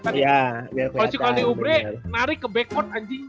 kalo si kelly oubre narik ke back court anjing